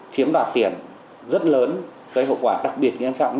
chiếm đoạt tiền rất lớn gây hậu quả đặc biệt nghiêm trọng